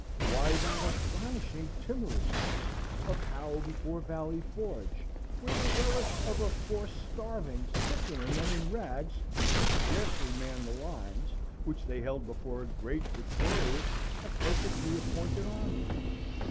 Why that astonishing timorousness of Howe before Valley Forge, where the relics of a force starving, sickening, and in rags, could scarcely man the lines, which they held before a great, victorious, and perfectly appointed army?